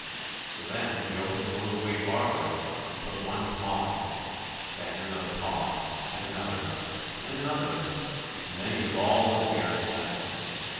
So then he opened it a little way farther, and put one paw in, and then another paw, and another, and another, and then he was all in the bears' castle.